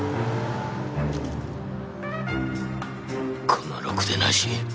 このろくでなし！